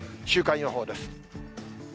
週間予報です。